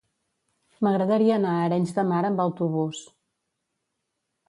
M'agradaria anar a Arenys de Mar amb autobús.